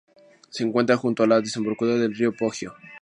Se encuentra junto a la desembocadura del río Poggio.